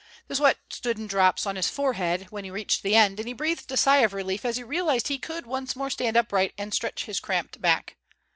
The sweat stood in drops on his forehead when he reached the end, and he breathed a sigh of relief as he realized he could once more stand upright and stretch his cramped back.